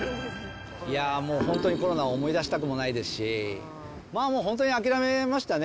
いやー、もう、本当にコロナは思い出したくもないですし、まあもう、本当に諦めましたね。